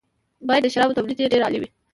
باید د شرابو تولید یې ډېر عالي وي.